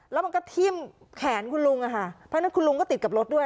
แล้วมันก็ทิ่มแขนคุณลุงอะค่ะเพราะฉะนั้นคุณลุงก็ติดกับรถด้วย